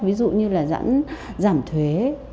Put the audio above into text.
ví dụ như là giảm thuế